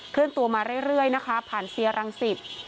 เลื่อนตัวมาเรื่อยนะคะผ่านเซียรังสิต